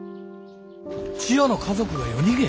千代の家族が夜逃げ？